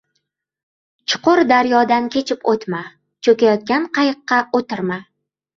• Chuqur daryodan kechib o‘tma, cho‘kayotgan qayiqqa o‘tirma.